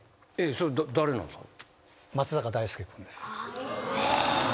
それ誰なんですか？